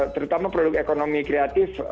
terutama produk ekonomi kreatif